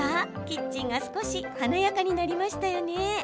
キッチンが少し華やかになりましたよね。